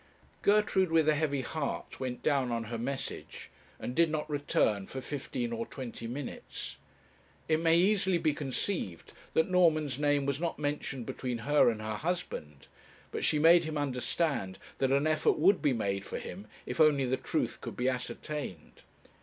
Gertrude, with a heavy heart, went down on her message, and did not return for fifteen or twenty minutes. It may easily be conceived that Norman's name was not mentioned between her and her husband, but she made him understand that an effort would be made for him if only the truth could be ascertained.